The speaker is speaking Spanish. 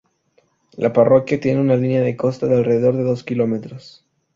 La parroquia tiene una línea de costa de alrededor de dos kilómetros.